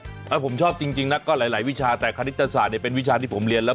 ถ้าผมชอบจริงนะก็หลายวิชาแต่คณิตศาสตร์เนี่ยเป็นวิชาที่ผมเรียนแล้ว